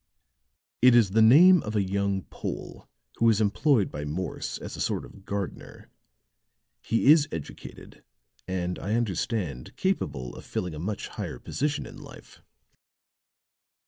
"It is the name of a young Pole who is employed by Morse as a sort of gardener. He is educated and, I understand, capable of filling a much higher position in life.